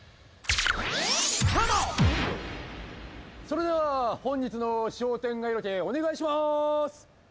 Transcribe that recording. それでは本日の商店街ロケお願いします。